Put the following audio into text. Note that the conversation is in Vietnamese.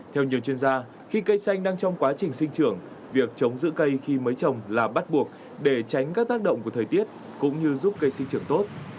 theo nhiều chuyên gia khi cây xanh đang trong quá trình sinh trưởng việc chống giữ cây khi mới trồng là bắt buộc để tránh các tác động của thời tiết cũng như giúp cây sinh trưởng tốt